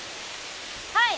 はい。